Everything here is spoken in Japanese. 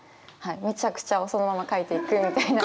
めちゃくちゃをそのまま書いていくみたいな。